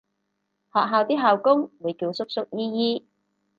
學校啲校工會叫叔叔姨姨